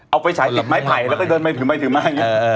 เอาไปใช้ติดไม้ไผ่แล้วเค้าเดินไปถึงไปถึงมา